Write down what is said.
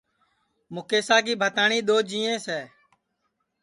مُکیشا کی بھتاٹؔی دؔو جینٚیس ہے